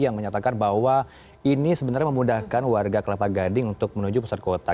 yang menyatakan bahwa ini sebenarnya memudahkan warga kelapa gading untuk menuju pusat kota